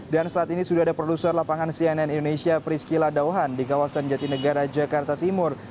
dan saat ini sudah ada produser lapangan cnn indonesia priscila daohan di kawasan jatinegara jakarta timur